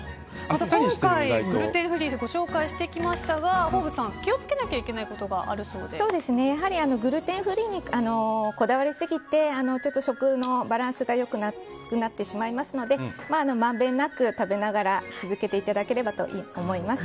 グルテンフリーで紹介してきましたがフォーブスさん、気をつけなきゃグルテンフリーにこだわりすぎて食のバランスが良くなくなってしまいますのでまんべんなく食べながら続けていただければと思います。